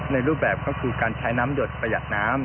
รูปแบบก็คือการใช้น้ำหยดประหยัดน้ำ